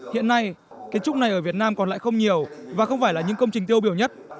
hiện nay kiến trúc này ở việt nam còn lại không nhiều và không phải là những công trình tiêu biểu nhất